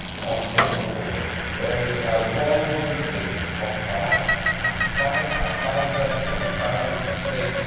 On this quarter there is now 100 acres of, perhaps, as fine alfalfa as can be found in the state.